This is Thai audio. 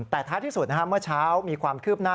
แต่ท้ายที่สุดเมื่อเช้ามีความคืบหน้า